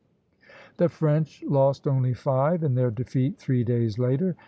The French lost only five in their defeat three days later.